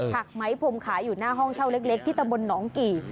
ไหมพรมขายอยู่หน้าห้องเช่าเล็กที่ตำบลหนองกี่